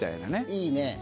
いいね。